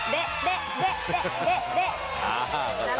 เดะเดะเดะเดะเดะเดะ